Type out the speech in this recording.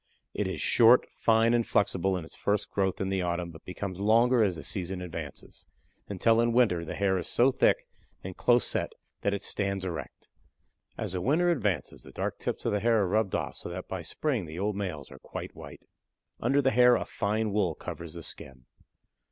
It is short, fine, and flexible in its first growth in the autumn, but becomes longer as the season advances, until in winter the hair is so thick and close set that it stands erect. As the winter advances the dark tips of the hair are rubbed off so that by spring the old males are quite white. Under the hair a fine wool covers the skin.